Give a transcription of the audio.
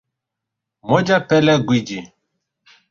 Moja Pele Gwiji